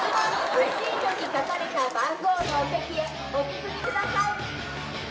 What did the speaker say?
レシートに書かれた番号のお席へお進みください。